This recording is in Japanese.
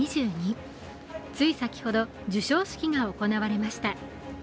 つい先ほど授賞式が行われました。